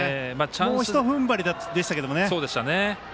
もうひと踏ん張りでしたけどね。